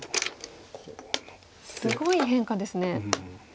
すごい変化ですね。